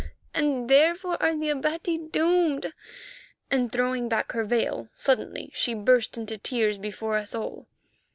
Oh! and therefore are the Abati doomed," and, throwing back her veil, suddenly, she burst into tears before us all.